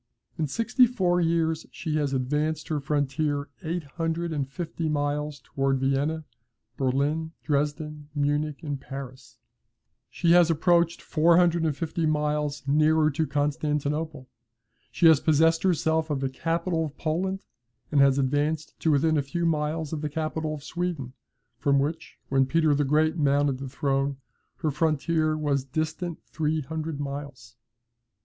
In sixty four years she has advanced her frontier eight hundred and fifty miles towards Vienna, Berlin, Dresden, Munich, and Paris; she has approached four hundred and fifty miles nearer to Constantinople; she has possessed herself of the capital of Poland, and has advanced to within a few miles of the capital of Sweden, from which, when Peter the Great mounted the throne, her frontier was distant three hundred miles.